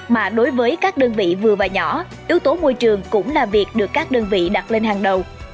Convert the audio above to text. mà đối với các đơn vị vừa và nhỏ yếu tố môi trường cũng là việc được các đơn vị đặt lên hàng đầu